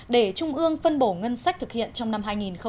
để trung ương phân bổ ngân sách thực hiện trong năm hai nghìn một mươi chín